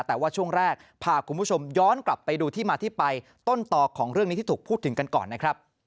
แต่ว่าช่วงแรกพาคุณผู้ชมย้อนกลับไปดูที่มาที่ไปต้นต่อของเรื่องนี้ที่ถูกพูดถึงกันก่อนนะครับ